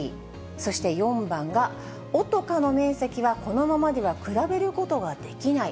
そして４番が、おとかの面積はこのままでは比べることができない。